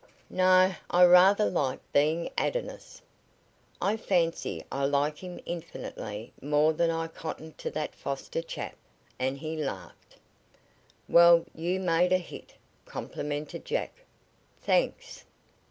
"No; I rather like being Adonis. I fancy I like him infinitely more than I cotton to that Foster chap," and he laughed. "Well, you made a hit," complimented Jack. "Thanks."